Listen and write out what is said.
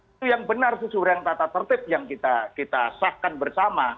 itu yang benar jujur yang tata tertib yang kita sahkan bersama